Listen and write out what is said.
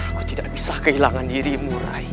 aku tidak bisa kehilangan dirimu rai